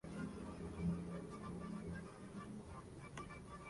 En Brasil, la adaptación se llamaría "Os Rebeldes".